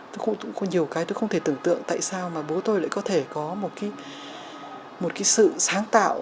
tôi cũng có nhiều cái tôi không thể tưởng tượng tại sao mà bố tôi lại có thể có một cái sự sáng tạo